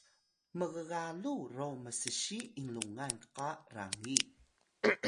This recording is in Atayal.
mggalu ro mssi inlungan qa rangi